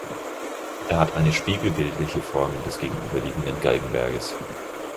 Er hat eine spiegelbildliche Form des gegenüberliegenden Galgenberges.